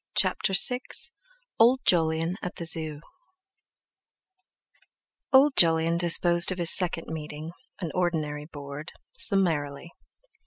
CHAPTER VI OLD JOLYON AT THE ZOO Old Jolyon disposed of his second Meeting—an ordinary Board—summarily.